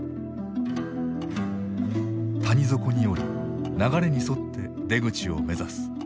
谷底に下り流れに沿って出口を目指す。